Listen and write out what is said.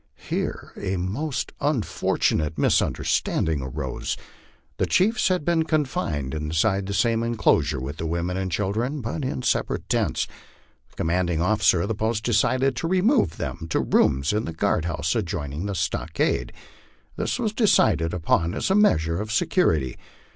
Here a most un fortunate misunderstanding arose. The chiefs had been confined inside the same enclosure with the women and children, but in separate tents. The com manding officer of the post decided to remove them to rooms in the guard house, adjoining the stockade. This was decided upon as a measure of se curity.